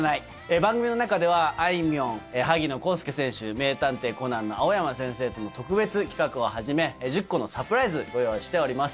番組の中では、あいみょん、萩野公介選手、名探偵コナンの青山先生という特別企画をはじめ、１０個のサプライズ、ご用意しております。